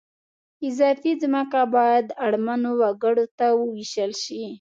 اضافي ځمکه باید اړمنو وګړو ته ووېشل شي